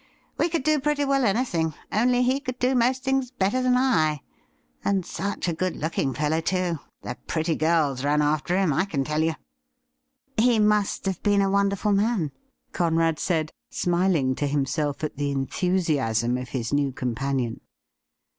We could do pretty well anything, only he could do most things better than I, And such a good looking fellow, too. The pretty girls ran after him, I can tell you.' MR. ALBERT EDWARD WALEY S7 *He must have been a wonderful man,' Conrad said, smiling to himself at the enthusiasm of his new com panion.